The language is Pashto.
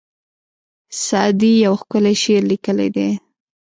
سعدي یو ښکلی شعر لیکلی دی.